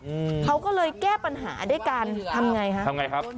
อืมเขาก็เลยแก้ปัญหาด้วยการทำไงฮะทำไงครับ